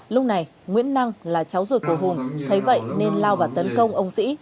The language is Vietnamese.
lúc này nguyễn năng là cháu ruột của hùng thấy vậy nên lao vào tấn công ông sĩ